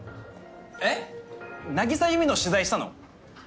・えっ渚優美の取材したの？